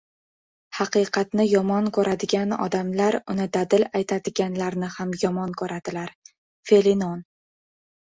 Haqiqatni yomon ko‘radigan odamlar uni dadil aytadiganlarni ham yomon ko‘radilar. Felenon